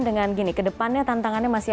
dengan gini kedepannya tantangannya masih